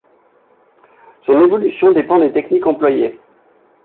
Son évolution dépend des techniques employées.